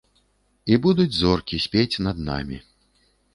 І будуць зоркі спець над намі.